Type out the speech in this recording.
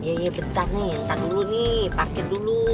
iya iya bentar nih entar dulu nih parkir dulu